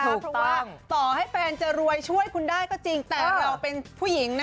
เพราะว่าต่อให้แฟนจะรวยช่วยคุณได้ก็จริงแต่เราเป็นผู้หญิงนะ